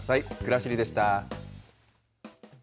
くらしりでした。